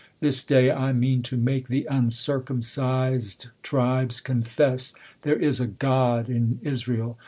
This day I mean To make th' un circumcised tribes confess There is a God in Israel.